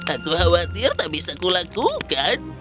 aku khawatir tak bisa kulakukan